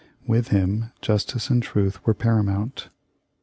With him justice and truth were paramount.